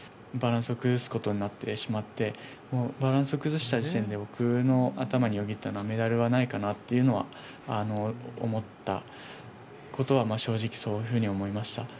バランスを崩すことになってしまって、バランスを崩した時点で僕の頭によぎったのはメダルはないかなというのは思ったことは、正直そういうふうに思いました。